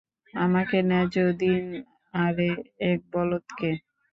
আমাকে ন্যায় দিন আরে এই বলদ কে?